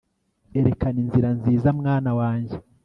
erekana inzira nziza mwana wanjye